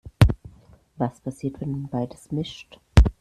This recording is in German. Was passiert, wenn man beides mischt?